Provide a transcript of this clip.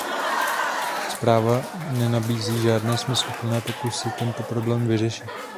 Zpráva nenabízí žádné smysluplné pokusy tento problém vyřešit.